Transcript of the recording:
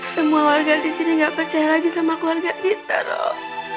semua warga di sini nggak percaya lagi sama keluarga kita roh